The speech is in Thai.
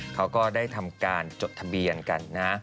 เขาก็ได้ทำการจดทะเบียนกันนะ